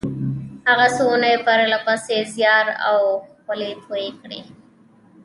هغه څو اونۍ پرله پسې زيار او خولې تويې کړې.